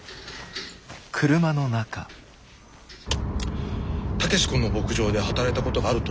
武志君の牧場で働いたことがあるとおっしゃいましたね。